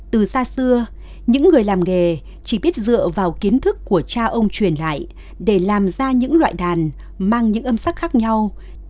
từ xa xưa những người làm nghề chỉ biết dựa vào kiến thức của cha ông truyền lại để làm ra những loại đàn mang những âm sắc khác nhau